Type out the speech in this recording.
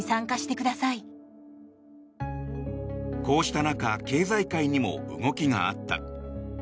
こうした中経済界にも動きがあった。